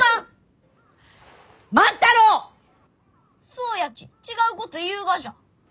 そうやち違うこと言うがじゃ。